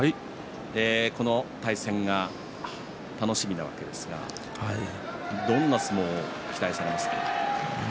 対戦が楽しみなわけですがどんな相撲を期待されますか？